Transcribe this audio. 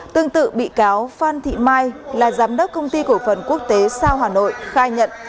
tương tự bị cáo phan thị mai là giám đốc công ty cổ phần quốc tế sao hà nội khai nhận